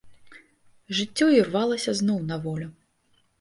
Жыццё ірвалася зноў на волю.